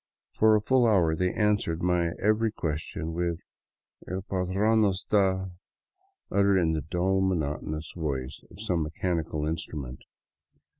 For a full hour they answered my every question with " El patron no 'sta/' uttered in the dull, monotonous voice of some mechanical instrument.